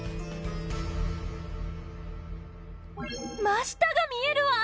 真下が見えるわ！